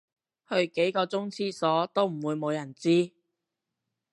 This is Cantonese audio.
去幾個鐘廁所都唔會無人知